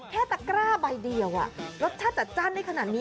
แค่ตะกร้าใบเดียวรสชาติจัดจ้านได้ขนาดนี้